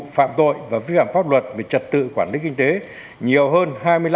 phạm tội và vi phạm pháp luật về trật tự quản lý kinh tế nhiều hơn hai mươi năm một mươi chín